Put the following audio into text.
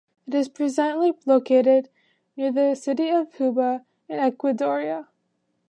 It is presently located near the city of Juba in Equatoria.